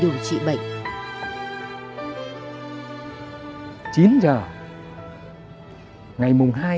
người đã nằm đây